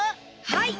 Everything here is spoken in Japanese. はい。